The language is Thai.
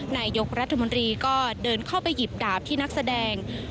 นายกรัฐมนตรีก็เดินเข้าไปหยิบดาบที่นักแสดง